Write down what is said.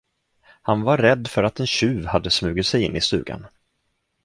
Har var rädd för att en tjuv hade smugit sig in i stugan.